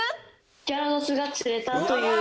ギャラドスが釣れたという。